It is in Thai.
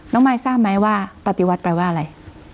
มายทราบไหมว่าปฏิวัติแปลว่าอะไร